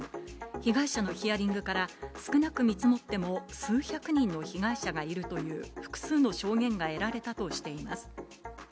被害者のヒアリングから少なく見積もっても数百人の被害者がいるという複数の証言が得られたとしています。